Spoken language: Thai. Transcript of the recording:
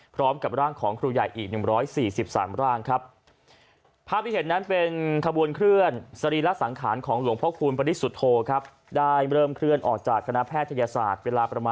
พร้อมกับร่างของครูใหญ่อีก๑๔๓ร่างครับ